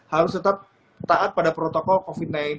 harus tetap taat pada protokol covid sembilan belas